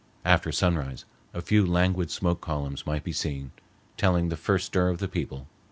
After sunrise a few languid smoke columns might be seen, telling the first stir of the people.